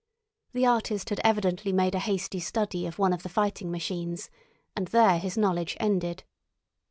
The artist had evidently made a hasty study of one of the fighting machines, and there his knowledge ended.